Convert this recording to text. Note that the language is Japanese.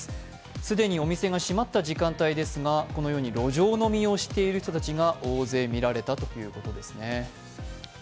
既にお店が閉まった時間帯ですが、このように路上飲みをしている人たちが大勢みられたということですね。